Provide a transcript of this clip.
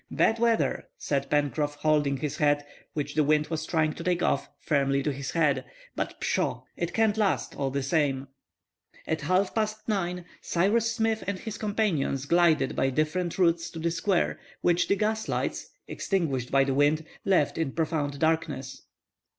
— "Bad weather," said Pencroff, holding his hat, which the wind was trying to take off, firmly to his head, "but pshaw, it can't last, all the same." At half past 9, Cyrus Smith and his companions glided by different routes to the square, which the gas lights, extinguished by the wind, left in profound darkness.